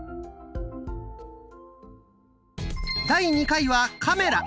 第２回はカメラ。